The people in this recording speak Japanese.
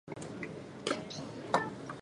その上不思議な事は眼がない